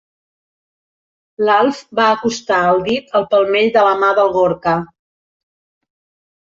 L'Alf va acostar el dit al palmell de la mà del Gorka.